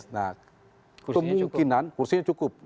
nah kemungkinan kursinya cukup